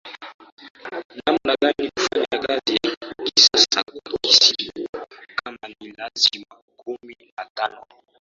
namna gani kufanya kazi ya kisasa kwa siri kama ni lazimakumi na tano